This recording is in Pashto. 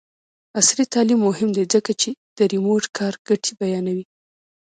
عصري تعلیم مهم دی ځکه چې د ریموټ کار ګټې بیانوي.